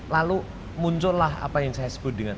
lalu muncullah apa yang saya sebut dengan